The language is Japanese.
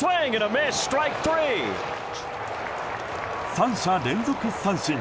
３者連続三振。